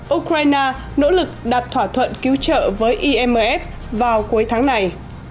ukraine nỗ lực đạt thỏa thuận cứu trợ với imf vào cuối tháng này